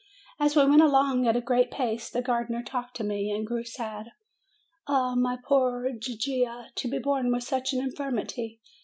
As we went along at a great pace, the gardener talked to me, and grew sad. "Ah, my poor Gigia ! To be born with such an in firmity